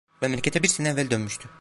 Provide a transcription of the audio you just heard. Memlekete bir sene evvel dönmüştü.